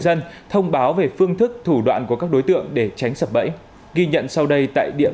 dân thông báo về phương thức thủ đoạn của các đối tượng để tránh sập bẫy ghi nhận sau đây tại địa